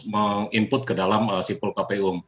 meng input ke dalam sipol kpu